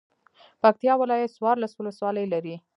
پکتيا ولايت څوارلس ولسوالۍ لري